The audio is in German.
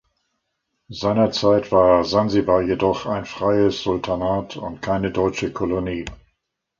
Seinerzeit war Sansibar jedoch ein freies Sultanat und keine deutsche Kolonie.